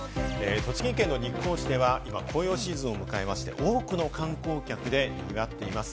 栃木県日光市では今、紅葉シーズンを迎えまして、多くの観光客で賑わっています。